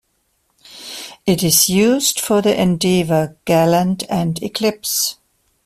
It is used for the Endeavor, Galant, and Eclipse.